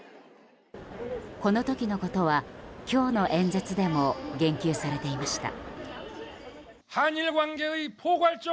この時のことは、今日の演説でも言及されていました。